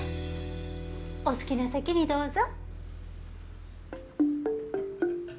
お好きな席にどうぞ。